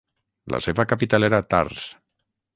La seva capital era Tars.